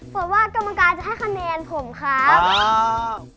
เปิดว่ากรรมการจะให้คะแนนผมครับ